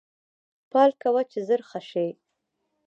پال کوه چې زر ښه شې